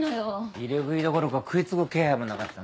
入れ食いどころか食い付く気配もなかったね。